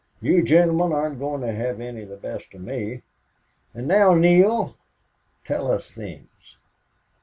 "You gentlemen aren't going to have any the best of me... And now, Neale, tell us things."